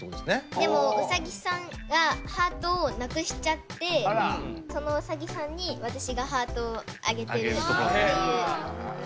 でもウサギさんがハートをなくしちゃってそのウサギさんに私がハートをあげてるっていう絵です。